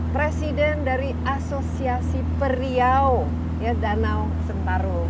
presiden dari asosiasi periau ya danau sentarum